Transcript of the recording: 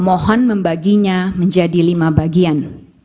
mohon membaginya menjadi lima bagian